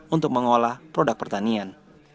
untuk mengolah produk pertanian